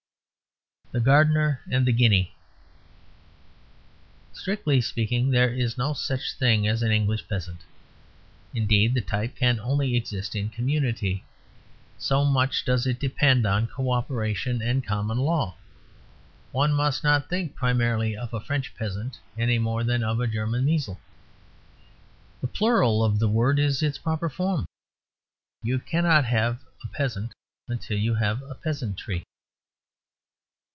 THE GARDENER AND THE GUINEA Strictly speaking, there is no such thing as an English Peasant. Indeed, the type can only exist in community, so much does it depend on cooperation and common laws. One must not think primarily of a French Peasant; any more than of a German Measle. The plural of the word is its proper form; you cannot have a Peasant till you have a peasantry.